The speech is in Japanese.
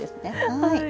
はい。